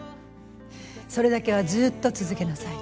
それだけはずっと続けなさい。